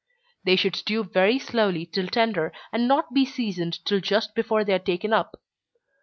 They should stew very slowly till tender, and not be seasoned till just before they are taken up.